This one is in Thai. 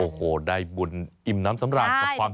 โอ้โหได้บุญอิ่มน้ำสำราญกับความ